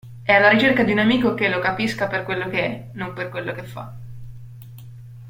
È alla ricerca di un amico che lo capisca per quello che è, non per quello che fa.